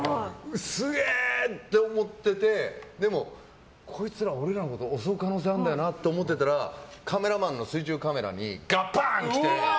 すげえ！って思っててでも、こいつら俺らのこと襲う可能性あるんだよなと思っていたらカメラマンの水中カメラにガバーンって来て。